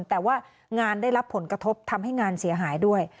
แต่ว่างานได้รับผลกระทบทำให้งานเสียหายด้วย